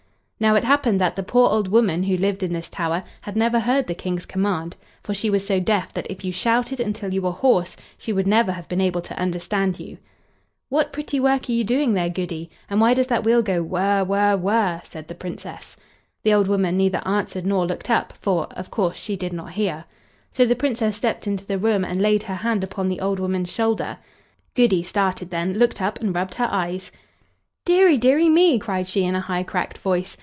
Now, it happened that the poor old woman who lived in this tower had never heard the King's command, for she was so deaf that if you shouted until you were hoarse she would never have been able to understand you. "What pretty work you are doing there, Goody? And why does that wheel go whirr, whirr, whirr?" said the Princess. The old woman neither answered nor looked up, for, of course, she did not hear. So the Princess stepped into the room and laid her hand upon the old woman's shoulder. Goody started then, looked up, and rubbed her eyes. "Deary, deary me!" cried she, in a high, cracked voice.